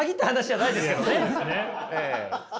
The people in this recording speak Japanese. はい。